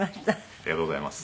ありがとうございます。